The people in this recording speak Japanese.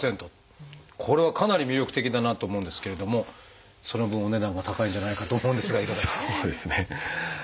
これはかなり魅力的だなと思うんですけれどもその分お値段が高いんじゃないかと思うんですがいかがですか？